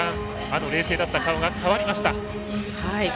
冷静だった顔が変わりました。